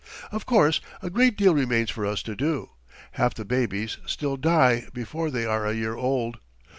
Of course, a great deal remains for us to do. Half the babies still die before they are a year old.